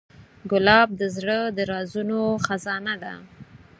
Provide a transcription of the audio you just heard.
ګلاب د زړه د رازونو خزانې ده.